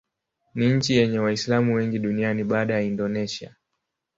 Ni nchi yenye Waislamu wengi duniani baada ya Indonesia.